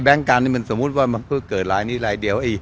แบงค์กันนี่มันสมมุติว่าเกิดรายนี้รายเดียว